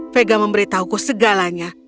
vega memberitahuku segalanya